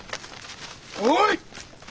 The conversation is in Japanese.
おい！